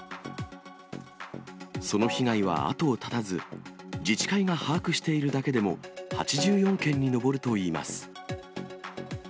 その被害は後を絶たず、自治会が把握しているだけでも、８４件に上るといいます。